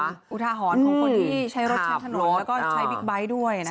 ก็เป็นอุทหรณ์ของคนที่ใช้รถใช้ถนนขับรถแล้วก็ใช้บิ๊กไบท์ด้วยนะคะ